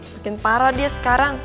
makin parah dia sekarang